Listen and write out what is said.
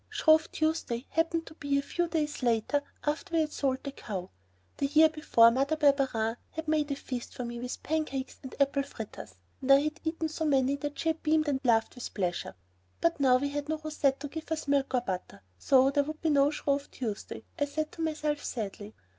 Shrove Tuesday happened to be a few days after we had sold the cow. The year before Mother Barberin had made a feast for me with pancakes and apple fritters, and I had eaten so many that she had beamed and laughed with pleasure. But now we had no Rousette to give us milk or butter, so there would be no Shrove Tuesday, I said to myself sadly.